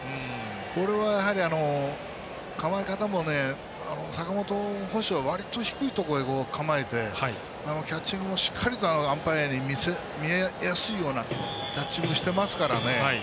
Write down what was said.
これは構え方も坂本捕手はわりと低いところで構えてキャッチングもしっかりアンパイアに見えやすいようなキャッチングしてますからね。